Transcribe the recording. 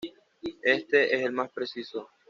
Este es el más preciso.